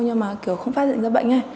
nhưng mà kiểu không phát hiện ra bệnh